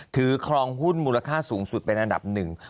ครองหุ้นมูลค่าสูงสุดเป็นอันดับหนึ่ง